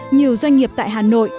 nhiều doanh nghiệp tại hà nội